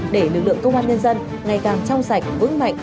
để lực lượng công an nhân dân ngày càng trong sạch vững mạnh